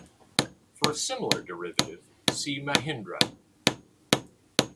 For a similar derivative, see Mahindra.